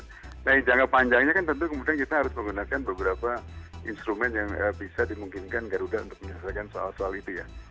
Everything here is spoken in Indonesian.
nah yang jangka panjangnya kan tentu kemudian kita harus menggunakan beberapa instrumen yang bisa dimungkinkan garuda untuk menyelesaikan soal soal itu ya